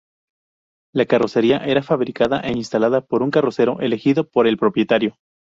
La carrocería era fabricada e instalada por un carrocero elegido por el propietario.